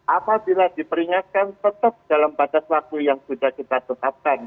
apabila diperingatkan tetap dalam batas waktu yang sudah kita tetapkan